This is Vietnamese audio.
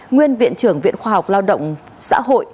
nguyên viện trưởng viện khoa học lao động xã hội